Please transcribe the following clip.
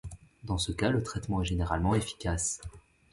Dans ce cas le traitement est généralement efficace.